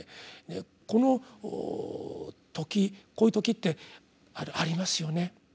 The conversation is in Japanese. この時こういう時ってありますよね。